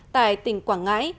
tại tỉnh quảng ngãi